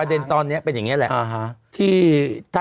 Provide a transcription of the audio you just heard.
เด็นตอนนี้เป็นอย่างนี้แหละ